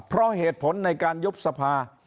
เพราะเหตุผลในการยุบสภา